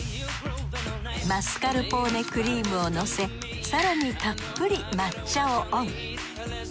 マスカルポーネクリームをのせ更にたっぷり抹茶をオン。